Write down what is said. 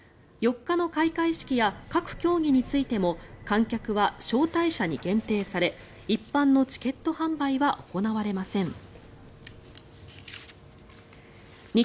４日の開会式や各競技についても観客は招待者に限定され一般のチケット販売は行われません。